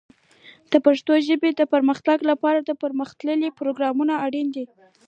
د پښتو ژبې د پرمختګ لپاره پرمختللي پروګرامونه اړین دي.